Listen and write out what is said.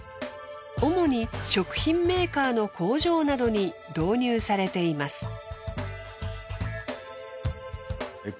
主に食品メーカーの工場などに導入されています。